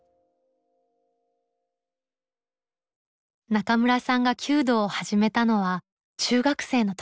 中村さんが弓道を始めたのは中学生の時。